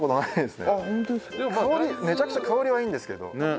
めちゃくちゃ香りはいいんですけど。